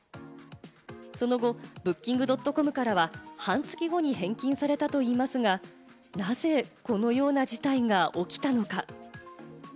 その後、Ｂｏｏｋｉｎｇ．ｃｏｍからは、半月後に返金されたといいますが、なぜ、このような事態が起きたのか？